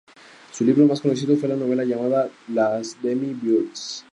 Su libro más conocido fue la novela llamada "Les Demi-vierges".